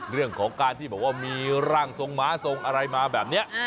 เรื่องของการที่บอกว่ามีร่างทรงม้าทรงอะไรมาแบบนี้